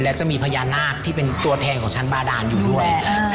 และจะมีพญานาคที่เป็นตัวแทนของชั้นบาดานอยู่ด้วย